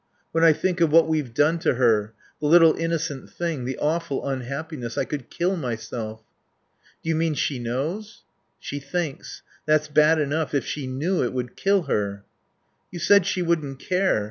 "... When I think of what we've done to her the little innocent thing the awful unhappiness I could kill myself." "Do you mean she knows?" "She thinks. That's bad enough. If she knew, it would kill her." "You said she wouldn't care.